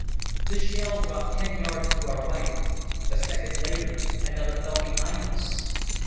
The shell dropped ten yards to our right. A second later another fell behind us.